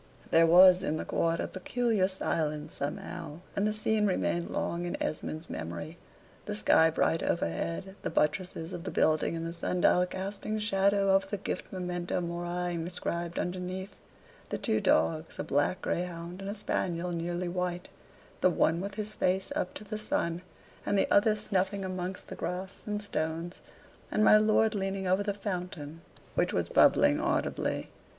There was in the court a peculiar silence somehow; and the scene remained long in Esmond's memory: the sky bright overhead; the buttresses of the building and the sun dial casting shadow over the gilt memento mori inscribed underneath; the two dogs, a black greyhound and a spaniel nearly white, the one with his face up to the sun, and the other snuffing amongst the grass and stones, and my lord leaning over the fountain, which was bubbling audibly.